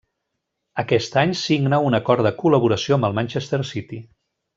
Aquest any signa un acord de col·laboració amb el Manchester City.